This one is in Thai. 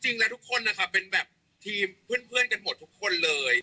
อ๋อจริงแล้วทุกคนนะคะเป็นแบบทีมเพื่อนกันหมดทุกคนเลย